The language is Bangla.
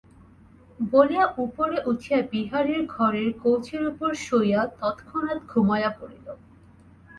বলিয়া উপরে উঠিয়া বিহারীর ঘরে কৌচের উপর শুইয়া তৎক্ষণাৎ ঘুমাইয়া পড়িল।